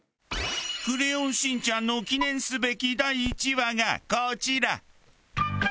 『クレヨンしんちゃん』の記念すべき第１話がこちら！